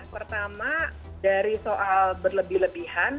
pertama dari soal berlebih lebihan